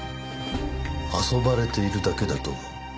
「遊ばれているだけだと思う」